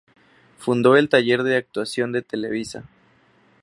Fundó el taller de actuación de Televisa.